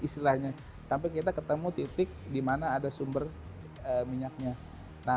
sampai kita ketemu titik dimana ada sumber minyaknya